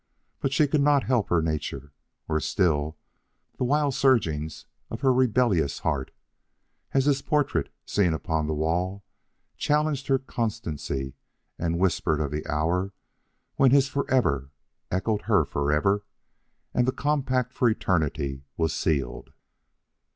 But she could not help her nature, or still the wild surging of her rebellious heart, as his portrait seen upon the wall challenged her constancy and whispered of the hour when his "forever" echoed her "forever" and the compact for eternity was sealed.